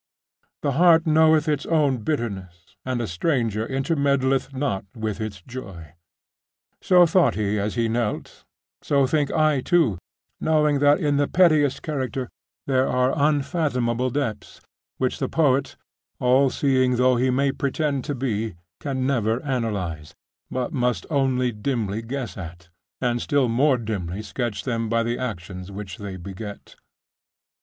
'The heart knoweth its own bitterness, and a stranger intermeddleth not with its joy.' So thought he as he knelt; and so think I, too, knowing that in the pettiest character there are unfathomable depths, which the poet, all seeing though he may pretend to be, can never analyse, but must only dimly guess at, and still more dimly sketch them by the actions which they beget.